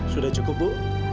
sudah cukup bu